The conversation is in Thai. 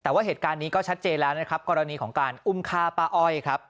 แต่ว่าเหตุการณ์นี้ก็ชัดเจนแล้วนะครับกรณีของการอุ้มฆ่าป้าอ้อยครับ